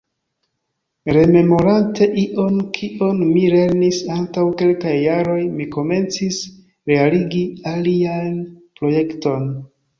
Rememorante ion, kion mi lernis antaŭ kelkaj jaroj, mi komencis realigi alian projekton.